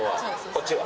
こっちは？